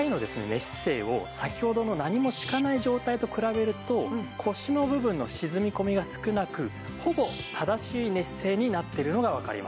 寝姿勢を先ほどの何も敷かない状態と比べると腰の部分の沈み込みが少なくほぼ正しい寝姿勢になってるのがわかります。